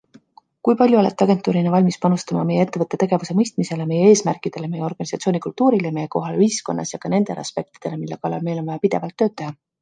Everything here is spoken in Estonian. Kui palju olete agentuurina valmis panustama meie ettevõtte tegevuse mõistmisele, meie eesmärkidele, meie organisatsioonikultuurile, meie kohale ühiskonnas ja ka nendele aspektidele, mille kallal meil on vaja pidevalt tööd teha?